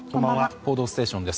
「報道ステーション」です。